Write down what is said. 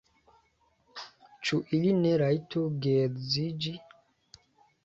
Ĉu ili ne rajtu geedziĝi?